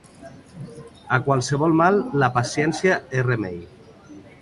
A qualsevol mal, la paciència és remei.